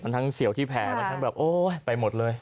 มันทั้งแบบโอ๊ยไปหมดเลย